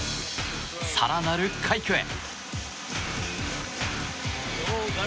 更なる快挙へ。